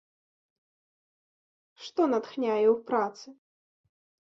Што натхняе ў працы?